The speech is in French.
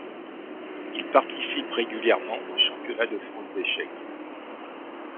Il participe régulièrement au championnat de France d’échecs.